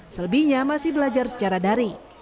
selebihnya masih belajar secara dari